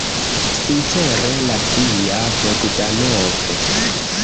Sincere la via, Bogdanov.